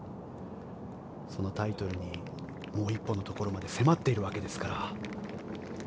そのタイトルにもう一歩のところまで迫っているわけですから。